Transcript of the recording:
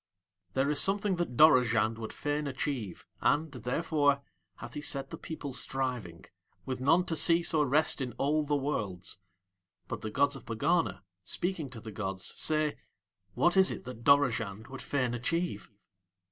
There is something that Dorozhand would fain achieve, and, therefore, hath he set the people striving, with none to cease or rest in all the worlds. But the gods of Pegana, speaking to the gods, say: "What is it that Dorozhand would fain achieve?"